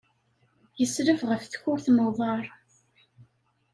Yesleb ɣef tkurt n uḍar.